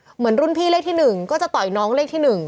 เหมือนรุ่นพี่เลขที่๑ก็จะต่อยน้องเลขที่๑